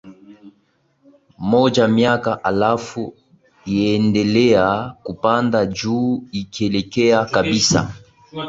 moja miaka halafu iendelea kupanda juu ikielekea kabisa